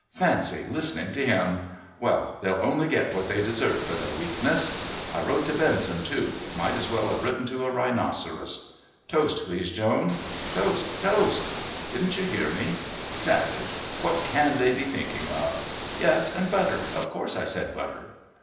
Fancy listening to him! Well, they'll only get what they deserve for their weakness. I wrote to Benson, too might as well have written to a rhinoceros. Toast, please, Joan! Toast, toast. Didn't you hear me? Savage! What can they be thinking of? Yes, and butter.... Of course I said butter."